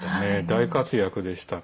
大活躍でした。